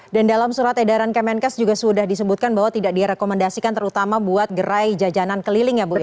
dan dalam surat edaran kemenkes juga sudah disebutkan bahwa tidak direkomendasikan terutama buat gerai jajanan keliling ya bu ya